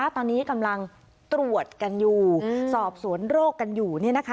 ตอนนี้กำลังตรวจกันอยู่อืมสอบสวนโรคกันอยู่นี่นะคะ